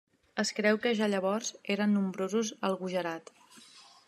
Es creu que ja llavors eren nombrosos al Gujarat.